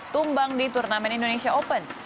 tumbang di turnamen indonesia open